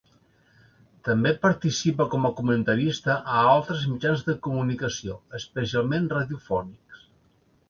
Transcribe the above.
També participa com a comentarista a altres mitjans de comunicació, especialment radiofònics.